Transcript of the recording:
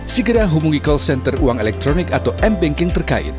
segera hubungi call center uang elektronik atau m banking terkait